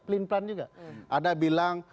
pelin pelan juga ada bilang